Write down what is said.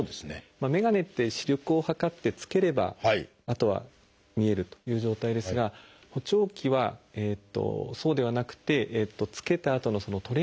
眼鏡って視力を測って着ければあとは見えるという状態ですが補聴器はそうではなくて着けたあとのトレーニングという期間が大事になります。